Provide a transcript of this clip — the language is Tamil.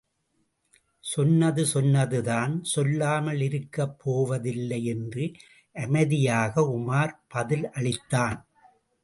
சொன்னது சொன்னதுதான் சொல்லாமல் இருக்கப் போவதில்லை என்று அமைதியாக உமார் பதில் அளித்தான்.